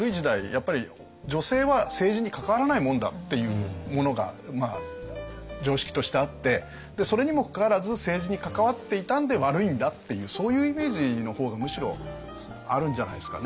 やっぱり「女性は政治に関わらないもんだ」っていうものが常識としてあってでそれにもかかわらず政治に関わっていたんで悪いんだっていうそういうイメージの方がむしろあるんじゃないですかね。